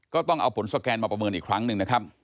ก็ต้องเอาผลสแกนมาประเมินอีกครั้งหนึ่งนะครับ